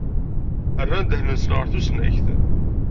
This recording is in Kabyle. Rran ddehn-nsen ɣer tusnakt.